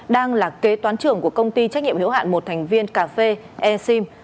đang là kế toán trưởng của công ty trách nhiệm hiểu hạn một thành viên cà phê e sim